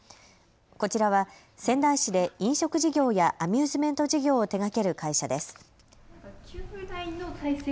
こちらは仙台市で飲食事業やアミューズメント事業を手がける会社です。